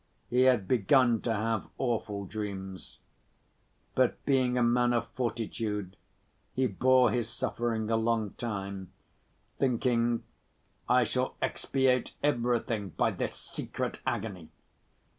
He had begun to have awful dreams. But, being a man of fortitude, he bore his suffering a long time, thinking: "I shall expiate everything by this secret agony."